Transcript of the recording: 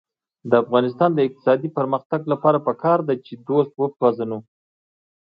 د افغانستان د اقتصادي پرمختګ لپاره پکار ده چې دوست وپېژنو.